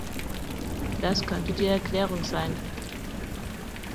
Das könnte die Erklärung sein.